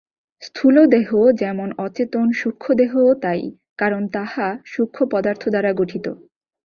স্থূলদেহ যেমন অচেতন, সূক্ষ্মদেহও তাই, কারণ তাহা সূক্ষ্ম পদার্থ দ্বারা গঠিত।